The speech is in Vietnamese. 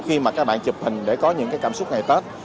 khi mà các bạn chụp hình để có những cái cảm xúc ngày tết